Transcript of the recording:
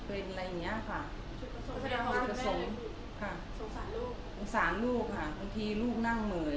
ก็อยากให้เค้ามาแสดงตัวว่าเค้าเป็นพ่ออะไรอย่างเงี้ย